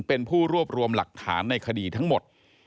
เป็นผู้รวบรวมหลักฐานในคดีทั้งหมด